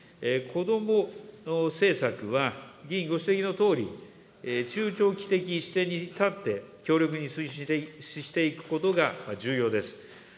こども政策は議員ご指摘のとおり、中長期的視点に立って、強力に推進していくことが重要です。